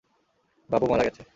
বাবু মারা গেছে।